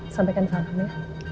sampaikan saat kamu ya